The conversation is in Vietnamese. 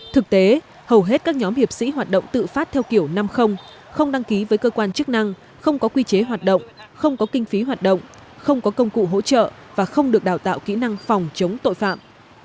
thực tế hầu hết các nhóm hiệp sĩ hoạt động tự phát theo kiểu năm không đăng ký với cơ quan chức năng không có quy chế hoạt động không có kinh phí hoạt động không có công cụ hỗ trợ và không được đào tạo kỹ năng phòng chống tội phạm